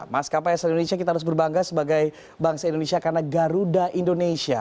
maskapai asal indonesia kita harus berbangga sebagai bangsa indonesia karena garuda indonesia